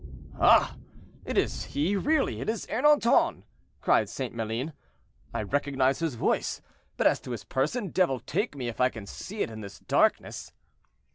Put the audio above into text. "Ah! it is he, really; it is Ernanton!" cried St. Maline. "I recognize his voice; but as to his person, devil take me if I can see it in this darkness."